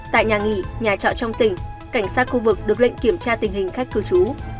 tại nhà nghỉ nhà trọ trong tỉnh cảnh sát khu vực được lệnh kiểm tra tình hình khách cư trú